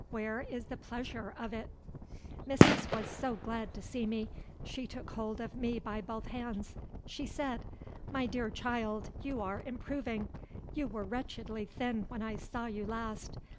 Where is the pleasure of it? Mrs. was so glad to see me; she took hold of me by both hands. She said: "My dear child, you are improving. You were wretchedly thin when I saw you last.